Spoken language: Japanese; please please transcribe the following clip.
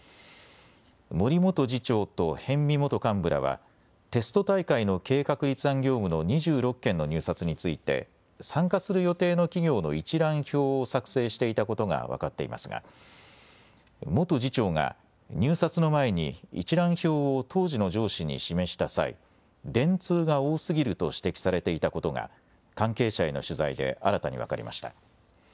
森元次長と逸見元幹部らはテスト大会の計画立案業務の２６件の入札について参加する予定の企業の一覧表を作成していたことが分かっていますが、元次長が入札の前に一覧表を当時の上司に示した際、電通が多すぎると指摘されていたことが関係者への取材で新たに分かりました。